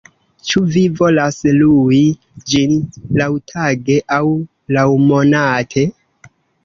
Ĉu vi volas lui ĝin laŭtage aŭ laŭmonate?